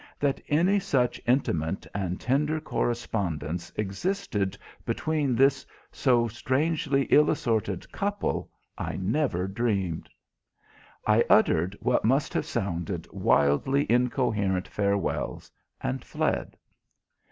That any such intimate and tender correspondence existed between this so strangely ill assorted couple I never dreamed. I uttered what must have sounded wildly incoherent farewells and fled.